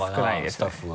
スタッフが。